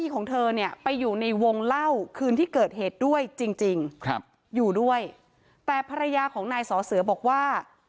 คืนที่เกิดเหตุด้วยจริงอยู่ด้วยแต่ภรรยาของนายสอเสือบอกว่า